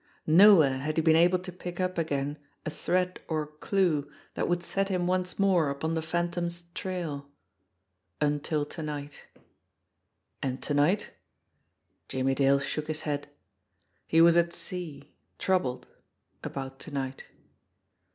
Nowhere had he been able to pick up again a thread or clue that would set him once more upon the Phantom's trail until to night. And to night ? Jimmie Dale shook his head. He was at sea, troubled about to night.